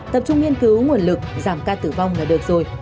tập trung nghiên cứu nguồn lực giảm ca tử vong là đợt rồi